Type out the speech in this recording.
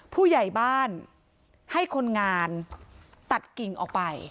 ผู้ใหญ่บ้านให้คนงานตัดกิ่งออกไป